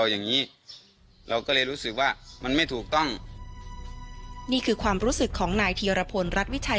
อย่างงี้เราก็เลยรู้สึกว่ามันไม่ถูกต้องนี่คือความรู้สึกของนายธีรพลรัฐวิชัย